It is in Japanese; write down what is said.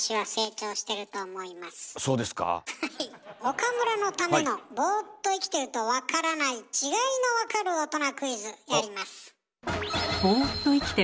岡村のための「ボーっと生きてるとわからない違いのわかる大人クイズ」やります。